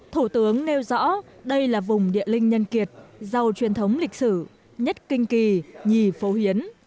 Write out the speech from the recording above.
thủ tướng nêu rõ đây là vùng địa linh nhân kiệt giàu truyền thống lịch sử nhất kinh kỳ nhì phố hiến